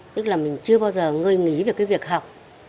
tức là mình chưa bao giờ ngơi nghĩ về cái việc học